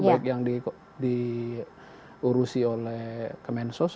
baik yang diurusi oleh kemensos